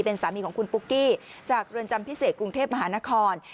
เป็นสามีของคุณปุ๊กกี้จากเรือนจำพิเศษกรุงเทพมหานคร